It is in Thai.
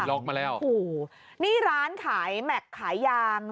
โอ้ย